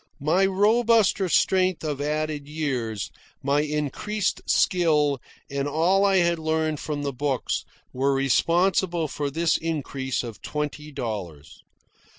My robuster strength of added years, my increased skill, and all I had learned from the books, were responsible for this increase of twenty dollars.